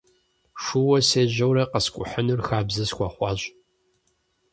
Шууэ сежьэурэ къэскӀухьыныр хабзэ схуэхъуащ.